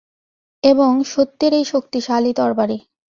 এবং সত্যের এই শক্তিশালী তরবারি।